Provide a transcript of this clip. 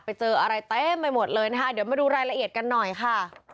ไปเจออะไรเต็มไปหมดเลยนะคะเดี๋ยวมาดูรายละเอียดกันหน่อยค่ะ